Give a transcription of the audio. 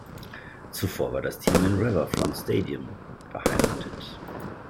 Zuvor war das Team in Riverfront Stadium beheimatet.